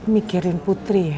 mikirin putri ya